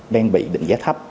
đang bị định giá thấp